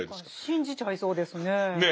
信じちゃいそうですね。